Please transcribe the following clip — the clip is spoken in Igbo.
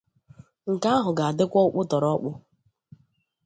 Nke ahụ ga-adịkwa ọkpụtọrọkpụ.